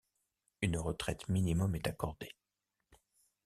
Une retraite minimum est accordée.